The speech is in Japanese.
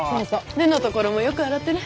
根のところもよく洗ってね。